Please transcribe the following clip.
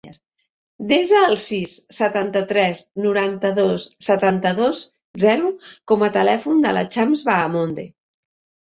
Desa el sis, setanta-tres, noranta-dos, setanta-dos, zero com a telèfon de la Chams Bahamonde.